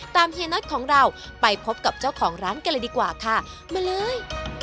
เฮียน็อตของเราไปพบกับเจ้าของร้านกันเลยดีกว่าค่ะมาเลย